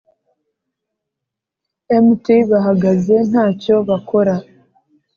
Mt bahagaze nta cyo bakora